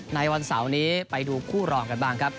ในวันเสาร์นี้ไปดูคู่รองกันบ้างครับ